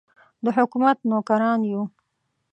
د حکومت نوکران یو.